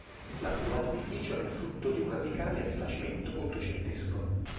L'attuale edificio è frutto di un radicale rifacimento ottocentesco.